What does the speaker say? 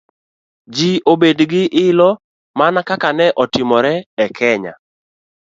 ji obed gi ilo, mana kaka ne otimore e Kenya